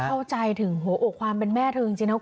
เข้าใจถึงโหความเป็นแม่เธอจริงนะครับ